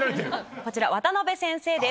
こちら渡先生です